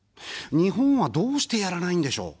日本は、どうしてやらないんでしょう。